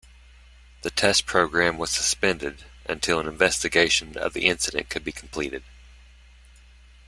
The test program was suspended until an investigation of the incident could be completed.